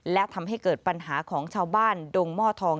และทำให้เกิดปัญหาของชาวบ้านดงหม้อทอง